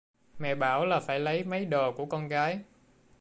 Mẹ bảo là phải lấy mấy đồ của con gái